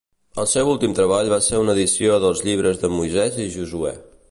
El seu últim treball va ser una edició dels llibres de Moisès i Josuè.